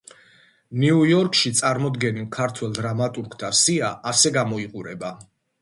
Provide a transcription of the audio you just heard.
ნიუ-იორკში წარმოდგენილ ქართველ დრამატურგთა სია ასე გამოიყურება.